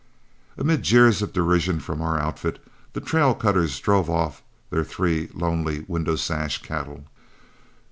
Amid jeers of derision from our outfit, the trail cutters drove off their three lonely "Window Sash" cattle.